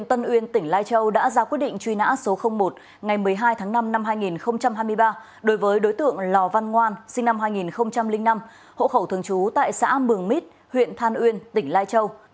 xin chào và hẹn gặp lại